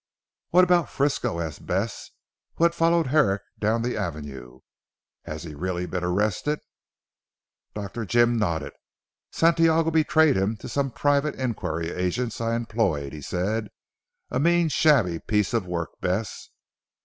"What about Frisco?" asked Bess who had followed Herrick down the avenue, "has he really been arrested?" Dr. Jim nodded. "Santiago betrayed him to some private Inquiry Agents I employed," he said, "a mean shabby piece of work Bess.